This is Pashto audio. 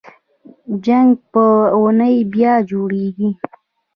جګر په اونیو بیا جوړېږي.